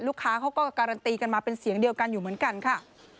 เขาก็การันตีกันมาเป็นเสียงเดียวกันอยู่เหมือนกันค่ะ